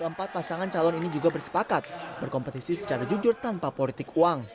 keempat pasangan calon ini juga bersepakat berkompetisi secara jujur tanpa politik uang